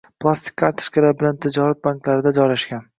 Plastik kartochkalar bilan tijorat banklarida joylashgan